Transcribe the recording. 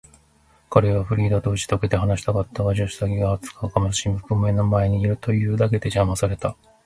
彼はフリーダとうちとけて話したかったが、助手たちが厚かましくも目の前にいるというだけで、じゃまされた。